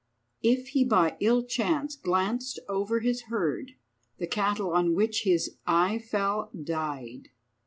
If he by ill chance glanced over his herd, the cattle on which his eye fell died.